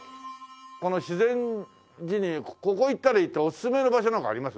この修善寺にここ行ったらいいっておすすめの場所なんかあります？